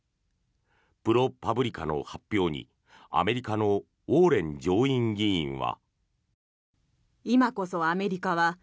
プロパブリカの発表にアメリカのウォーレン上院議員は。